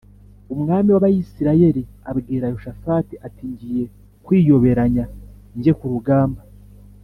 Umwami w’Abisirayeli abwira Yehoshafati ati “Ngiye kwiyoberanya njye ku rugamba